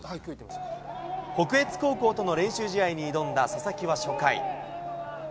北越高校との練習試合に挑んだ佐々木は初回。